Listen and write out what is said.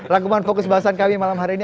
rangkuman fokus bahasan kami malam hari ini